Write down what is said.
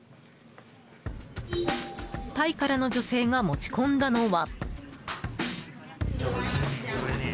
タイからの女性が持ち込んだのは。